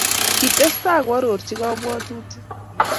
Kitestai koarorchi kabwatutik